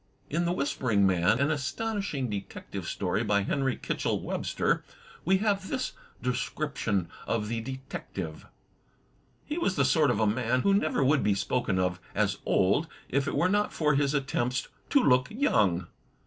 In "The Whispering Man," an astonishing detective story by Henry Kitchell Webster, we have this description of the detective: He was the sort of a man who never would be spoken of as old, if it were not for his attempts to look young.